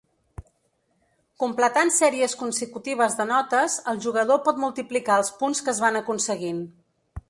Completant sèries consecutives de notes, el jugador pot multiplicar els punts que es van aconseguint.